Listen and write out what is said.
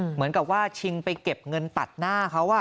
เหมือนกับว่าชิงไปเก็บเงินตัดหน้าเขา